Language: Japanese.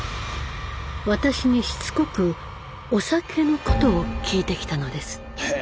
私にしつこく「お酒」のことを聞いてきたのです。